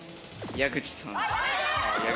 矢口さん。